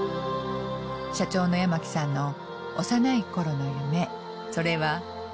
社長の八巻さんの幼いころの夢それは。